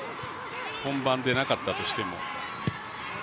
本番、出なかったとしても。